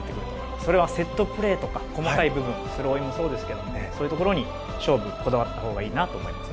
それはセットプレーとか細かい部分スローインもそうですがそういうところに勝負、こだわったほうがいいと思います。